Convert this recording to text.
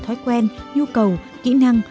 thói quen nhu cầu kỹ năng